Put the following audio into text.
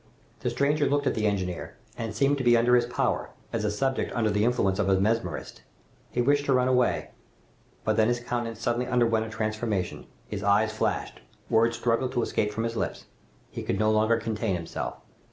The stranger looked at the engineer, and seemed to be under his power, as a subject under the influence of a mesmerist. He wished to run away. But then his countenance suddenly underwent a transformation. His eyes flashed. Words struggled to escape from his lips. He could no longer contain himself!